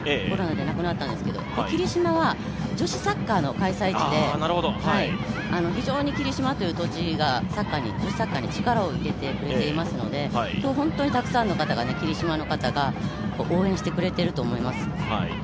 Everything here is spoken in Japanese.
コロナでなくなったんですけど霧島は女子サッカーの開催地で、非常に霧島という土地がサッカーに力を入れていますので、たくさんの霧島の方が応援してくれていると思います。